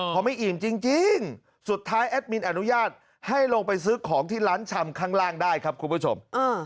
พอไม่อิ่มจริงสุดท้ายแอดมินอนุญาตให้ลงไปซื้อของที่ร้านชำข้างล่างได้ครับคุณผู้ชม